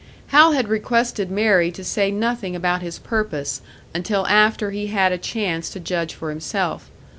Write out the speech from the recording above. Hal had requested Mary to say nothing about his purpose, until after he had a chance to judge for himself.